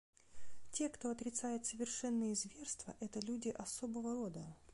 Те, кто отрицает совершенные зверства, — это люди особого рода.